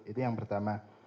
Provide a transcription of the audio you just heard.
itu yang pertama